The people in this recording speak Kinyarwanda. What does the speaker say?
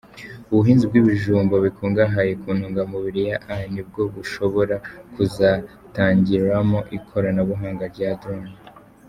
Ubuhinzi bw’ibijumba bikungahaye ku ntungamubiri ya A nibwo bushobora kuzatangiriramo ikoranabuhanga rya drone.